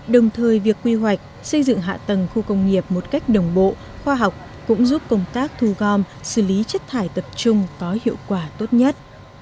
đồng thời việc quy hoạch xây dựng hạ tầng khu công nghiệp một cách đồng bộ khoa học cũng giúp công tác thu gom xử lý chất thải tập trung có hiệu quả tốt nhất